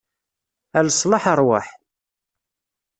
A leṣlaḥ, ṛwaḥ!